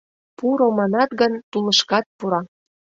Пуро манат гын, тулышкат пура.